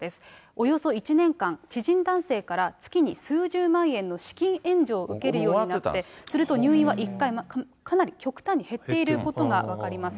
およそ１年間、知人男性から月に数十万円の資金援助を受けるようになって、すると入院は１回、かなり極端に減っていることが分かります。